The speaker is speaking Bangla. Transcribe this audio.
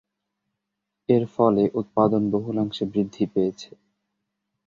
এর ফলে উৎপাদন বহুলাংশে বৃদ্ধি পেয়েছে।